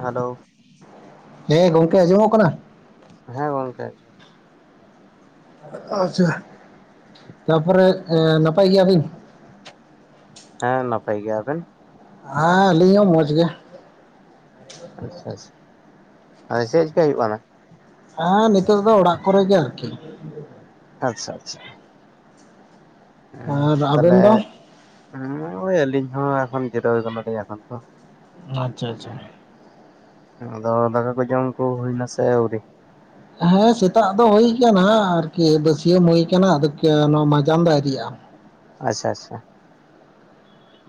Hello ᱦᱮᱸ ᱜᱚᱝᱠᱮ ᱟᱸᱡᱚᱢ ᱠᱟᱱᱟ? ᱦᱮᱸ ᱜᱚᱝᱠᱮ ᱟᱪᱪᱷᱟ ᱛᱟᱯᱚᱨᱮ ᱱᱟᱯᱟᱭ ᱜᱮᱭᱟᱵᱤᱱ ᱦᱮᱸ ᱱᱟᱯᱟᱭ ᱜᱮᱭᱟ ᱟᱵᱮᱱ᱾ ᱦᱮᱸ ᱟᱹᱞᱤᱧ ᱦᱚᱸ ᱢᱚᱡᱽ ᱜᱮ᱾ ᱟᱪᱪᱷᱟ ᱟᱪᱪᱷᱟ ᱟ ᱪᱮᱫ ᱪᱮᱠᱟ ᱦᱩᱭᱩᱜ ᱠᱟᱱᱟ? ᱦᱮᱸ ᱱᱤᱛᱚᱜ ᱫᱚ ᱚᱲᱟᱜ ᱠᱚᱨᱮ ᱜᱮ ᱟᱨᱠᱤ᱾ ᱟᱪᱪᱷᱟ ᱟᱪᱪᱷᱟ ᱦᱮᱸ ᱟᱨ ᱛᱟᱦᱞᱮ ᱟᱵᱮᱱ ᱫᱚ? ᱦᱚᱭ ᱟᱹᱞᱤᱧ ᱦᱚᱸ ᱮᱠᱷᱚᱱ ᱡᱤᱨᱟᱹᱣ ᱠᱟᱱᱟᱞᱤᱧ ᱮᱠᱷᱚᱱ ᱛᱚ᱾ ᱟᱪᱪᱷᱟ ᱟᱪᱪᱷᱟ ᱟᱫᱚ ᱫᱟᱠᱟ ᱠᱚ ᱡᱚᱢ ᱠᱩ ᱦᱩᱭ ᱱᱟ ᱥᱮ ᱟᱹᱣᱨᱤ? ᱦᱮᱸ ᱥᱮᱛᱟᱜ ᱫᱚ ᱦᱩ ᱟᱠᱟᱱᱟ ᱟᱨᱠᱤ ᱵᱟᱹᱥᱭᱟᱹᱢ ᱦᱩᱭᱩ ᱟᱠᱟᱱᱟ ᱟᱫᱚ ᱱᱚᱣᱟ ᱢᱟᱡᱟᱸᱱ ᱫᱚ ᱟᱹᱣᱨᱤᱭᱟ᱾ ᱟᱪᱪᱷᱟ ᱟᱪᱪᱷᱟ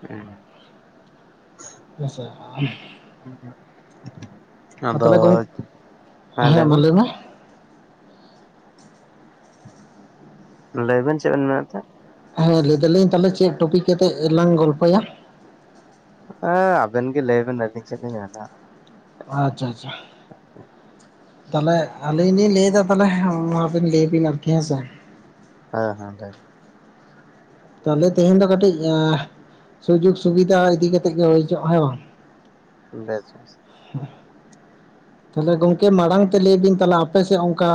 ᱦᱩᱸ [unintelligible] ᱟᱫᱚ ᱛᱟᱦᱚᱞᱮ ᱜᱚᱝ ᱦᱮᱸ ᱞᱟᱹᱭ ᱵᱮᱱ? ᱞᱟᱹᱭ ᱵᱮᱱ ᱪᱮᱫ ᱵᱮᱱ ᱢᱮᱱᱮᱫ ᱛᱟᱦᱮᱸ ᱫᱚ? ᱦᱮᱸ ᱞᱟᱹᱭ ᱫᱟᱞᱤᱧ ᱛᱟᱦᱚᱞᱮ ᱪᱮᱫ ᱴᱚᱯᱤᱠ ᱠᱟᱛᱮᱜ ᱞᱟᱝ ᱜᱚᱞᱯᱚᱭᱟ? ᱦᱮᱸ ᱟᱵᱮᱱ ᱜᱮ ᱞᱟᱹᱭᱵᱮᱱ ᱟᱹᱞᱤᱧ ᱪᱮᱫ ᱞᱤᱧ ᱢᱮᱱᱟ ᱟᱪᱪᱷᱟ ᱟᱪᱪᱷᱟ ᱛᱟᱦᱚᱞᱮ ᱟᱹᱞᱤᱧ ᱞᱤᱧ ᱞᱟᱹᱭ ᱮᱫᱟ ᱛᱟᱦᱚᱞᱮ ᱢᱟᱵᱤᱱ ᱞᱟᱹᱭᱟ ᱵᱤᱱ ᱟᱨᱠᱤ ᱦᱮᱸᱥᱮ᱾ ᱦᱮᱸ ᱦᱮᱸ ᱞᱟᱹᱭ ᱛᱟᱦᱚᱞᱮ ᱛᱮᱦᱮᱧ ᱫᱚ ᱠᱟᱹᱴᱤᱡ ᱥᱩᱡᱳᱜᱽ ᱥᱩᱵᱤᱫᱷᱟ ᱤᱫᱤ ᱠᱟᱛᱮᱜ ᱜᱮ ᱦᱩᱭ ᱚᱪᱚᱜᱼᱟ ᱦᱮᱸ ᱵᱟᱝ? ᱵᱮᱥ ᱵᱮᱥ ᱛᱟᱦᱚᱞᱮ ᱜᱚᱝᱠᱮ ᱢᱟᱲᱟᱝ ᱛᱮ ᱞᱟᱹᱭ ᱵᱤᱱ ᱛᱟᱦᱚᱞᱮ ᱟᱯᱮ ᱥᱮᱫ ᱚᱱᱠᱟ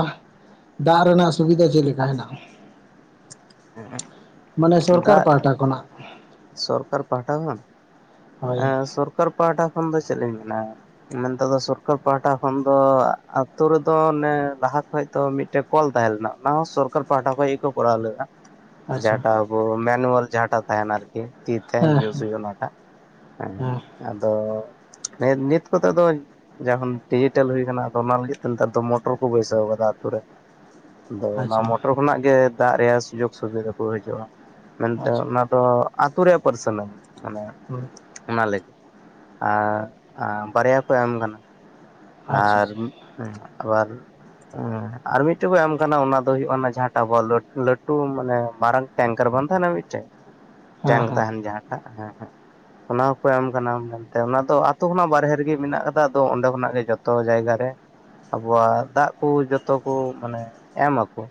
ᱫᱟᱜ ᱨᱮᱱᱟᱜ ᱥᱩᱵᱤᱫᱷᱟ ᱪᱮᱫ ᱞᱮᱠᱟ ᱦᱮᱱᱟᱜᱼᱟ? ᱦᱮᱸ ᱢᱟᱱᱮ ᱥᱚᱨᱠᱟᱨ ᱯᱟᱦᱴᱟ ᱠᱷᱚᱱᱟᱜ ᱥᱚᱨᱠᱟᱨ ᱯᱟᱦᱴᱟ ᱠᱷᱚᱱ ᱦᱳᱭ ᱥᱚᱨᱠᱟᱨ ᱯᱟᱦᱴᱟ ᱠᱷᱚᱱ ᱫᱚ ᱪᱮᱫ ᱞᱤᱧ ᱢᱮᱱᱟ, ᱢᱮᱱᱮᱛ ᱫᱚ ᱥᱚᱨᱠᱟᱨ ᱯᱟᱦᱴᱟ ᱠᱷᱚᱱ ᱫᱚ ᱟᱹᱛᱩ ᱨᱮᱫᱚ ᱱᱮ ᱞᱟᱦᱟ ᱠᱷᱚᱱ ᱛᱚ ᱢᱤᱫᱴᱮᱡ ᱠᱚᱞ ᱛᱟᱦᱮᱸ ᱞᱮᱱᱟ ᱚᱱᱟ ᱦᱚᱸ ᱥᱚᱨᱠᱟᱨ ᱯᱟᱦᱴᱟ ᱠᱷᱚᱡ ᱜᱮᱠᱚ ᱠᱚᱨᱟᱣ ᱞᱮᱫᱟ᱾ ᱟᱪᱪᱷᱟ ᱡᱟᱦᱟᱸᱴᱟ ᱟᱵᱚ ᱢᱮᱱᱩᱣᱟᱞ ᱡᱟᱦᱟᱸᱴᱟ ᱛᱟᱦᱮᱱᱟ ᱟᱨᱠᱤ ᱛᱤ ᱛᱮ ᱦᱮᱸ ᱤᱭᱩᱡᱽ ᱦᱩᱭᱩᱜᱼᱟ, ᱚᱱᱟᱴᱟᱜ ᱦᱮᱸ ᱟᱫᱚ ᱦᱮᱸ ᱱᱤᱛ ᱠᱚᱛᱮ ᱫᱚ ᱡᱚᱠᱦᱚᱱ ᱰᱤᱡᱤᱴᱮᱞ ᱦᱩᱭ ᱟᱠᱟᱱᱟᱼᱟ᱾ ᱚᱱᱟ ᱞᱟᱹᱜᱤᱫ ᱛᱮ ᱱᱮᱛᱟᱨ ᱫᱚ ᱢᱚᱴᱚᱨ ᱠᱚ ᱵᱟᱹᱭᱥᱟᱹ ᱟᱠᱟᱫᱟ ᱟᱹᱛᱩ ᱨᱮ᱾ ᱟᱫᱚ ᱚᱱᱟ ᱟᱪᱪᱷᱟ ᱢᱚᱴᱚᱨ ᱠᱷᱚᱱᱟᱜ ᱜᱮ ᱫᱟᱜ ᱨᱮᱭᱟᱜ ᱥᱩᱡᱳᱜ ᱥᱩᱵᱤᱫᱷᱟ ᱠᱚ ᱦᱤᱡᱩᱜᱼᱟ, ᱢᱮᱱᱛᱮ ᱟᱪᱪᱷᱟ ᱚᱱᱟ ᱫᱚ ᱟᱹᱛᱩ ᱨᱮᱭᱟᱜ ᱯᱟᱨᱥᱱᱟᱞ ᱢᱟᱱᱮ᱾ ᱦᱮᱸ᱾ ᱚᱱᱟ ᱞᱟᱹᱜᱤᱫ ᱟᱨ ᱵᱟᱨᱭᱟ ᱠᱚ ᱮᱢ ᱠᱟᱱᱟ᱾ ᱟᱪᱪᱷᱟ ᱟᱨ ᱟᱪᱪᱷᱟ ᱟᱵᱟᱨ ᱦᱮᱸ ᱟᱨ ᱢᱤᱫᱴᱮᱡ ᱠᱚ ᱮᱢ ᱟᱠᱟᱱᱟ ᱚᱱᱟ ᱫᱚ ᱦᱩᱭᱩᱜ ᱠᱟᱱᱟ ᱡᱟᱦᱟᱸ ᱴᱟᱣᱚᱨ ᱞᱳᱴ ᱞᱟᱹᱴᱩ ᱢᱟᱱᱮ ᱢᱟᱨᱟᱝᱼᱼ ᱴᱮᱝᱠᱟᱨ ᱵᱟᱝ ᱛᱟᱦᱮᱱᱟ ᱢᱤᱫᱴᱮᱡ ᱦᱮᱸ ᱴᱝᱠ ᱦᱮᱸ ᱛᱟᱦᱮᱱ ᱡᱟᱦᱟᱸ ᱴᱟᱜ ᱦᱮᱸ ᱦᱮᱸ᱾᱾ ᱚᱱᱟ ᱦᱚᱸᱠᱚ ᱮᱢ ᱠᱟᱱᱟ ᱢᱮᱱᱛᱮ ᱚᱱᱟ ᱫᱚ ᱟᱛᱩ ᱠᱷᱚᱱᱟᱜ ᱵᱟᱨᱦᱮ ᱨᱮᱜᱤ ᱢᱤᱱᱟᱜ ᱟᱠᱟᱫᱟ ᱟᱫᱚ ᱚᱸᱰᱮ ᱠᱷᱚᱱᱟᱜ ᱜᱮ ᱡᱚᱛᱼᱼ ᱡᱚᱛᱚ ᱡᱟᱭᱜᱟ ᱨᱮ ᱟᱵᱚᱣᱟᱜ ᱫᱟᱜ ᱠᱩ ᱡᱚᱛᱚ ᱠᱩ ᱢᱟᱱᱮ ᱮᱢ ᱟᱠᱩ᱾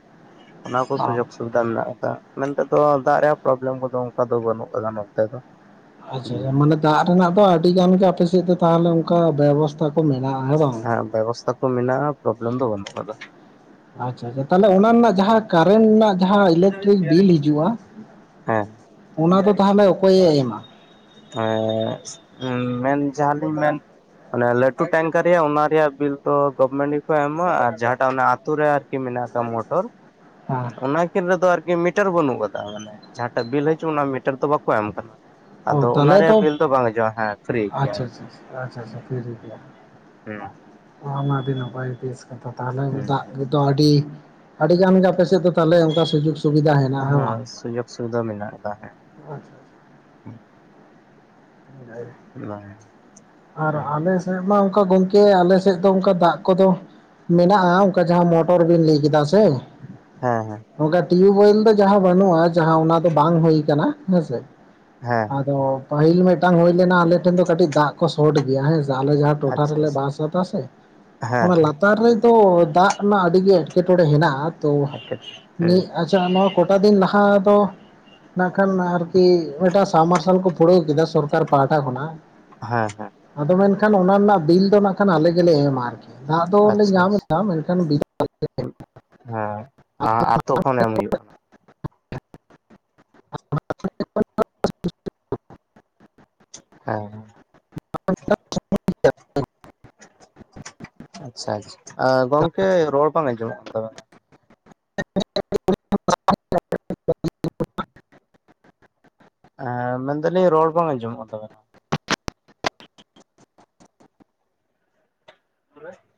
ᱚᱱᱟ ᱠᱚ ᱚ ᱥᱩᱡᱳᱠᱼᱼ ᱥᱩᱵᱤᱫᱟ ᱢᱮᱱᱟᱜ ᱟᱠᱟᱜ-ᱟ, ᱢᱮᱱᱛᱮ ᱫᱚ ᱫᱟᱜ ᱨᱮᱭᱟᱜ ᱯᱨᱚᱵᱮᱞᱮᱢ ᱠᱚᱫᱚ ᱚᱱᱠᱟ ᱫᱚ ᱵᱟᱹᱱᱩᱜ ᱠᱟᱫᱟ ᱱᱚᱛᱮ ᱫᱚ᱾ ᱟᱪᱪᱷᱟ ᱟᱪᱷᱟ ᱢᱟᱱᱮ ᱫᱟᱜ ᱨᱮᱱᱟᱜ ᱫᱚ ᱟᱰᱤ ᱜᱟᱱ ᱜᱮ ᱟᱯᱮ ᱥᱮᱫ ᱫᱚ ᱛᱟᱦᱚᱞᱮ ᱚᱱᱠᱟ ᱵᱮᱵᱚᱥᱛᱟ ᱠᱚ ᱢᱮᱱᱟᱜ-ᱟ ᱦᱮᱸ ᱵᱟᱝ? ᱦᱮᱸ ᱵᱮᱵᱚᱥᱛᱟ ᱠᱚ ᱢᱮᱱᱟᱜ-ᱟ, ᱯᱨᱚᱵᱮᱞᱮᱢ ᱫᱚ ᱵᱟᱹᱱᱩᱜ ᱠᱟᱫᱟ᱾ ᱟᱪᱪᱷᱟ ᱟᱪᱪᱷᱟ ᱛᱟᱦᱚᱞᱮ ᱚᱱᱟ ᱨᱮᱱᱟᱜ ᱡᱟᱦᱟᱸ ᱠᱟᱨᱮᱱ ᱱᱟᱜᱼᱼ ᱡᱟᱦᱟᱸ ᱤᱞᱮᱠᱴᱨᱤᱠ ᱵᱤᱞ ᱦᱤᱡᱩᱜ-ᱟ, ᱦᱮᱸ ᱚᱱᱟ ᱫᱚ ᱛᱟᱦᱚᱞᱮ ᱚᱠᱚᱭᱮ ᱮᱢᱟ? ᱛᱚᱻ ᱦᱮᱸᱥ ᱢᱮᱱ ᱡᱟᱦᱟᱸ ᱞᱤᱧ ᱢᱮᱱᱼᱼ ᱢᱟᱱᱮ ᱞᱟᱹᱴᱩ ᱴᱮᱝᱠᱟᱨ ᱨᱮᱭᱟᱜ ᱚᱱᱟ ᱨᱮᱭᱟᱜ ᱵᱤᱞ ᱫᱚ ᱜᱚᱵᱷᱢᱮᱱᱴ ᱜᱮᱠᱚ ᱮᱢᱟ, ᱟᱨ ᱡᱟᱦᱟᱸ ᱴᱟᱜ ᱚᱱᱟ ᱟᱛᱩ ᱨᱮᱼᱼ ᱠᱤ ᱢᱮᱱᱟᱜ-ᱟ ᱠᱟᱜ ᱢᱳᱴᱚᱨ, ᱦᱟᱸ᱾ ᱠᱤᱱ ᱨᱮᱫᱚ ᱟᱨ ᱠᱤ ᱢᱤᱴᱟᱨ ᱵᱟᱹᱱᱩᱜ ᱠᱟᱫᱟ ᱢᱟᱱᱮ ᱡᱟᱦᱟᱸ ᱴᱟᱜ ᱵᱤᱞ ᱦᱟᱹᱡᱩᱜ ᱚᱱᱟ ᱢᱤᱴᱟᱨ ᱫᱚ ᱵᱟᱠᱚ ᱮᱢ ᱠᱟᱱᱟ᱾ ᱚ ᱟᱫᱚ ᱚᱱᱟ ᱛᱟᱦᱚᱞᱮ ᱛᱚ ᱨᱮᱭᱟᱜ ᱵᱤᱞ ᱫᱚ ᱵᱟᱝ ᱦᱤᱡᱚᱜ-ᱟ ᱦᱮᱸ ᱯᱷᱨᱤ ᱜᱮᱭᱟ᱾ ᱟᱪᱪᱷᱟ ᱟᱪᱪᱷᱟ ᱟᱪᱪᱷᱟ ᱟᱪᱪᱷᱟ ᱦᱩᱸ᱾ ᱦᱚᱸ ᱚᱱᱟ ᱟᱹᱰᱤ ᱱᱟᱯᱟᱭ ᱵᱮᱥ ᱠᱟᱛᱷᱟ ᱛᱟᱦᱚᱞᱮ ᱦᱮᱸ ᱫᱟᱜ ᱜᱤ ᱫᱚ ᱟᱹᱰᱤ ᱟᱰᱤ ᱜᱟᱱ ᱜᱮ ᱟᱯᱮ ᱥᱮᱜ ᱫᱚᱼᱼ ᱛᱟᱦᱚᱞᱮ ᱚᱱᱠᱟ ᱥᱩᱡᱳᱠ ᱥᱩᱵᱤᱫᱟ ᱦᱮᱱᱟᱜ-ᱟ, ᱦᱮᱸ ᱵᱟᱝ? ᱥᱩᱵᱤᱫᱟ ᱢᱮᱱᱟᱜ ᱟᱠᱟᱫᱟ ᱦᱮᱸ᱾ ᱚ ᱟᱪᱪᱷᱟ ᱟᱪᱷᱟ᱾ ᱦᱮᱡ ᱟᱨ ᱦᱮᱸ ᱟᱞᱮᱥᱼᱼ ᱥᱮᱜ ᱢᱟ ᱚᱱᱠᱟ ᱜᱚᱝᱠᱮ ᱟᱞᱮ ᱥᱮᱜ ᱫᱚ ᱚᱱᱠᱟ ᱫᱟᱜ ᱠᱚᱫᱚᱼᱼ ᱢᱮᱱᱟᱜ-ᱟ ᱚᱱᱠᱟ ᱡᱟᱦᱟᱸ ᱢᱚᱴᱚᱨ ᱵᱤᱱ ᱞᱟᱹᱭ ᱠᱮᱫᱟ ᱥᱮ᱾ ᱦᱮᱸ ᱦᱮᱸ᱾ ᱱᱚᱝᱠᱟ ᱴᱤᱭᱩᱵᱮᱞ ᱫᱚ ᱡᱟᱦᱟᱸ ᱵᱟᱱᱩᱜ-ᱟ ᱡᱟᱦᱟᱸ ᱚᱱᱟ ᱫᱚ ᱵᱟᱝ ᱦᱩᱭ ᱠᱟᱱᱟ, ᱦᱮᱸᱥᱮ᱾ ᱦᱮᱸ᱾ ᱟᱫᱚ ᱯᱟᱦᱤᱞ ᱢᱮᱫᱴᱟᱝ ᱦᱩᱭ ᱞᱮᱱᱟ ᱟᱞᱮ ᱴᱷᱮᱱ ᱫᱚ ᱠᱟᱹᱴᱤᱡ ᱫᱟᱜ ᱠᱚ ᱥᱚᱴ ᱜᱮᱭᱟ ᱦᱮᱸᱥᱼᱼ ᱟᱞᱮ ᱡᱟᱦᱟᱸ ᱴᱚᱴᱷᱟ ᱟᱪᱪᱷᱟ ᱨᱮᱞᱮ ᱟᱪᱪᱷᱟ ᱵᱟᱥᱮ ᱛᱟᱥᱮ ᱦᱮᱸ ᱚᱱᱟ ᱞᱟᱛᱼᱼ ᱛᱟᱨ ᱨᱮᱫᱚ ᱫᱟᱜ ᱨᱮᱱᱟᱜ ᱟᱰᱤ ᱜᱮ ᱮᱴᱠᱮᱴᱚᱬᱮ ᱦᱮᱱᱟᱜ-ᱟ ᱛᱚ ᱦᱮᱸ ᱱᱤ ᱦᱮᱸ ᱟᱪᱪᱷᱟ ᱱᱚᱶᱟᱠᱼᱼ ᱠᱚᱴᱟ ᱫᱤᱱ ᱞᱟᱦᱟ ᱫᱚ ᱱᱟᱜ ᱠᱷᱟᱱ ᱟᱨᱠᱤ ᱢᱮᱜᱴᱟᱜ ᱥᱟᱵᱽᱢᱟᱨᱥᱟᱞ ᱠᱚ ᱯᱩᱲᱟᱹᱣ ᱠᱮᱫᱟ ᱥᱚᱨᱼᱼ ᱠᱟᱨ ᱯᱟᱦᱴᱟ ᱠᱷᱚᱱᱟᱜ᱾ ᱦᱮᱸ ᱦᱮᱸ᱾ ᱟᱫᱚ ᱢᱮᱱ ᱠᱷᱟᱱ ᱚᱱᱟ ᱨᱮᱱᱟᱜ ᱵᱤᱞ ᱫᱚ ᱱᱟᱜ ᱠᱷᱟᱱ ᱟᱞᱮ ᱜᱮᱞᱮ ᱮᱢᱟ ᱟᱨᱠᱤ, ᱫᱟᱜ ᱫᱚᱞᱮ ᱧᱟᱢ ᱮᱫᱟ ᱢᱮᱱᱠᱷᱟᱱ ᱵᱤᱞᱼᱼ ᱩᱸᱜ ᱦᱮᱸ ᱟᱛᱳ ᱠᱷᱚᱱ ᱮᱢ ᱦᱩᱭᱩᱜ ᱠᱟᱱᱟ᱾ [inaudible] ᱦᱮᱸ᱾ [inaudible] ᱜᱤᱭᱟ ᱠᱩ᱾ ᱟᱪᱪᱷᱟ ᱪᱷᱟ ᱟ ᱜᱚᱝᱠᱮ ᱨᱚᱲ ᱵᱟᱝ ᱟᱸᱡᱚᱢᱚᱜ ᱠᱟᱱ ᱛᱟᱵᱮᱱᱟ᱾ [inaudible] ᱮᱸ ᱢᱮᱱ ᱫᱟᱞᱤᱧ ᱨᱟᱲ ᱵᱟᱝ ᱟᱧᱡᱚᱢᱚᱜ ᱠᱟᱱ ᱛᱟᱵᱮᱱᱟ ᱾ [inaudible]